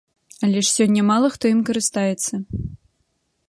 Але ж сёння мала хто ім карыстаецца.